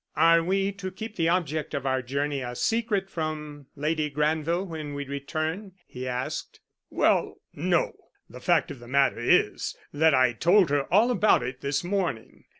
"Are we to keep the object of our journey a secret from Lady Granville when we return?" he asked. "Well, no. The fact of the matter is that I told her all about it this morning.